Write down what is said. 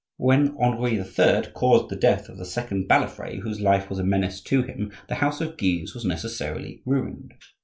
When Henri III. caused the death of the second Balafre, whose life was a menace to him, the house of Guise was necessarily ruined.